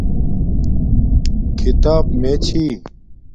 کھیتاپ میے چھی